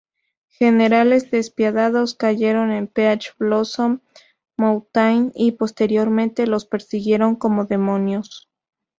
Generales despiadados, cayeron en Peach Blossom Mountain y posteriormente los persiguieron como demonios.